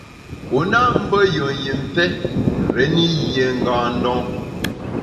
U nâ mbe yùen jimfe réni yié ngâ ndon.